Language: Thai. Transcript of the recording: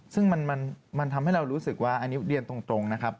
ซึ่งมันทำให้เรารู้สึกว่าอันนี้เรียนตรงนะครับ